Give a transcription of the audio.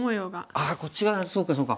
あこっち側そうかそうか。